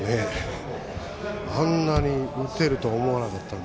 あんなに打てると思わなかった。